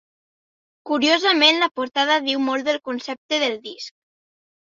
Curiosament la portada diu molt del concepte del disc.